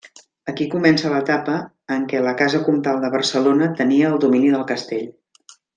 Aquí comença l'etapa en què la casa comtal de Barcelona tenia el domini del castell.